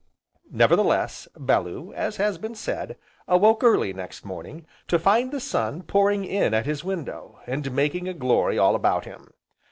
Nevertheless, Bellew, (as has been said), awoke early next morning, to find the sun pouring in at his window, and making a glory all about him.